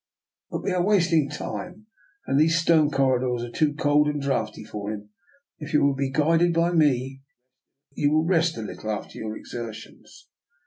But we are wasting time, and these stone corridors are too cold and draughty for him. If you will be guided by me, you will rest a little after your exertions.